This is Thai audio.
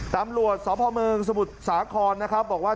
ตำรวจสพมสมุทรศาครบอกว่า